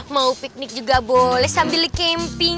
mau piknik juga boleh sambil camping